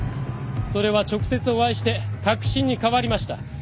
それは直接お会いして確信に変わりました。